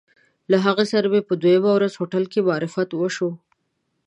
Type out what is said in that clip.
له هغه سره مې په دویمه ورځ هوټل کې معرفت وشو.